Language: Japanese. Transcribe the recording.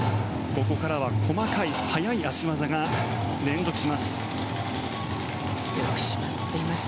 ここからは細かい速い脚技が連続します。